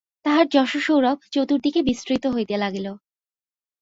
তাঁহার যশঃসৌরভ চতুর্দিকে বিস্তৃত হইতে লাগিল।